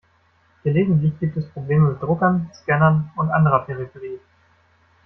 Gelegentlich gibt es Probleme mit Druckern, Scannern und anderer Peripherie.